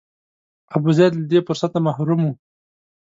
ابوزید له دې فرصته محروم و.